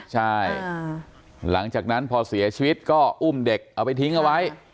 ใช่หลังจากนั้นพอเสียชีวิตก็อุ้มเด็กเอาไปทิ้งเอาไว้